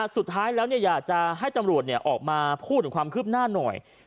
สุดท้ายแล้วอยากจะให้ตำรวจออกมาพูดถึงความคืบหน้าหน่อย